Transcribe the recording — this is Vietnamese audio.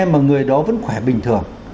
mà người đó vẫn khỏe bình thường